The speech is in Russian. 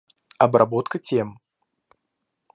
Обработка тем